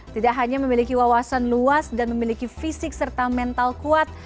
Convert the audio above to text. tidak hanya memiliki wawasan luas dan memiliki fisik serta mental kuat